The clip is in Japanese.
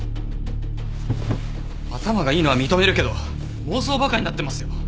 頭がいいのは認めるけど妄想バカになってますよ。